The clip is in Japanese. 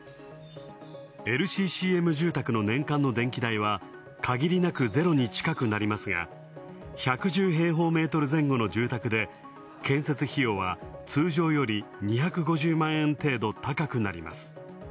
ＬＣＣＭ住宅の電気代は限りなくゼロに近くなりますが、１１０平方メートル前後の住宅で建設費用は、通常より２５０万円程度高くなります。